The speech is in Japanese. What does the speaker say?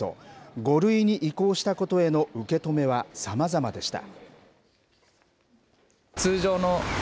５類に移行したことへの受け止めはさまざまでした。